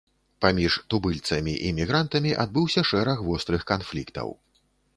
Паміж тубыльцамі і мігрантамі адбыўся шэраг вострых канфліктаў.